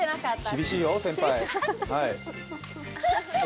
厳しいよ、先輩。